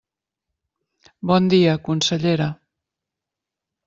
Bon dia, consellera.